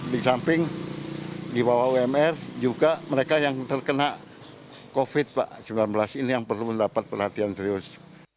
di samping di bawah umr juga mereka yang terkena covid sembilan belas ini yang perlu mendapat perhatian serius